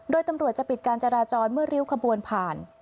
โดยตำรวจจะปิดการจราจรเมื่อริ้วขบวนผ่าน